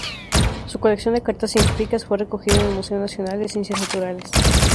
Su colección de cartas científicas fue recogida en el Museo Nacional de Ciencias Naturales.